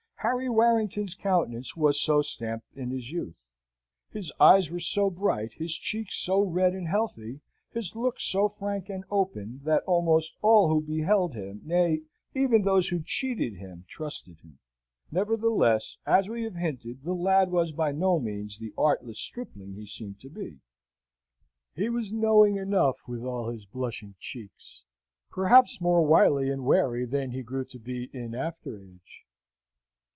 Harry Warrington's countenance was so stamped in his youth. His eyes were so bright, his cheek so red and healthy, his look so frank and open, that almost all who beheld him, nay, even those who cheated him, trusted him. Nevertheless, as we have hinted, the lad was by no means the artless stripling he seemed to be. He was knowing enough with all his blushing cheeks; perhaps more wily and wary than he grew to be in after age.